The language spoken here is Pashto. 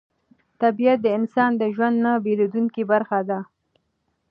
طبیعت د انسان د ژوند نه بېلېدونکې برخه ده